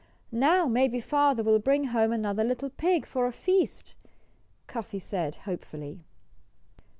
"Now maybe father will bring home another little pig for a feast!" Cuffy said hopefully.